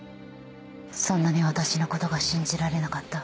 そんなに私のことが信じられなかった？